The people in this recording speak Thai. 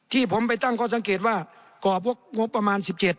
ที่ผมไปตั้งข้อสังเกตว่ากรอบงบประมาณ๑๗